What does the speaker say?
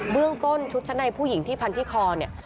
เรื่องต้นชุดชั้นในผู้หญิงที่พันที่คอเนี่ย